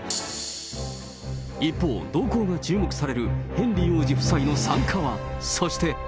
一方、動向が注目されるヘンリー王子夫妻の参加は？